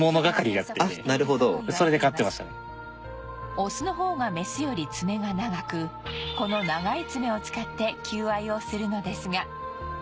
オスの方がメスより爪が長くこの長い爪を使って求愛をするのですが